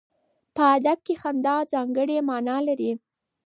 په ادب کې خندا ځانګړی معنا لري.